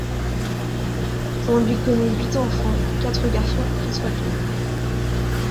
On lui connaît huit enfants, quatre garçons et quatre filles.